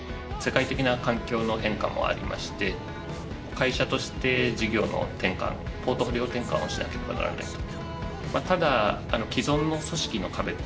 会社として事業の転換ポートフォリオ転換をしなければならないと。